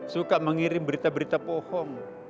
suka mengirim berita berita bohong